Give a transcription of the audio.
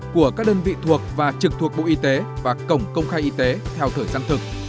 của các đơn vị thuộc và trực thuộc bộ y tế và cổng công khai y tế theo thời gian thực